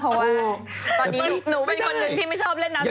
ตอนนี้หนูเป็นคนหนึ่งที่ไม่ชอบเล่นน้ำสมบัติ